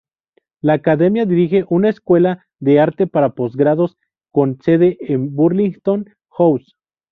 La Academia dirige una escuela de arte para postgraduados, con sede en Burlington House.